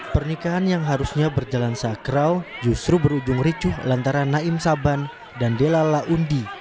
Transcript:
pernikahan yang harusnya berjalan sakral justru berujung ricuh lantaran naim saban dan dela laundi